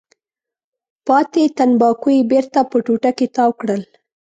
پاتې تنباکو یې بېرته په ټوټه کې تاو کړل.